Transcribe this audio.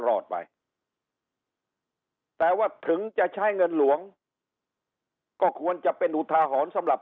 รอดไปแต่ว่าถึงจะใช้เงินหลวงก็ควรจะเป็นอุทาหรณ์สำหรับ